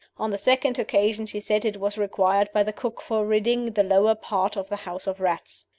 On the second occasion she said it was required by the cook for ridding the lower part of the house of rats.